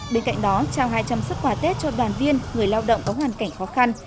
bên cạnh đó trao hai trăm linh xuất quà tết cho đoàn viên người lao động có hoàn cảnh khó khăn